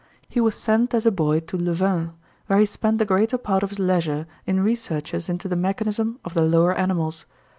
He was sent as a boy to Louvain, where he spent the greater part of his leisure in researches into the mechanism of the lower animals.